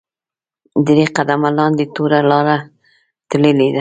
درې قدمه لاندې توره لاره تللې ده.